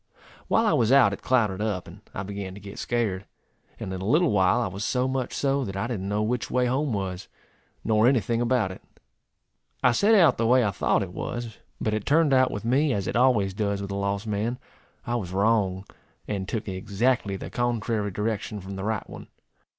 While I was out it clouded up, and I began to get scared; and in a little while I was so much so, that I didn't know which way home was, nor any thing about it. I set out the way I thought it was, but it turned out with me, as it always does with a lost man, I was wrong, and took exactly the contrary direction from the right one.